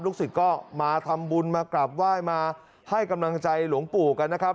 สิทธิ์ก็มาทำบุญมากราบไหว้มาให้กำลังใจหลวงปู่กันนะครับ